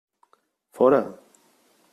Fora!